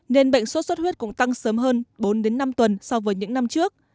nên bệnh sốt xuất huyết cũng tăng sớm hơn bốn năm tuần so với những năm trước